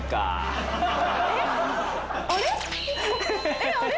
えっあれ？